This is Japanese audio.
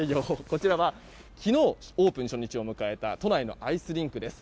こちらは、昨日オープン初日を迎えた都内のアイスリンクです。